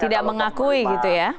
tidak mengakui gitu ya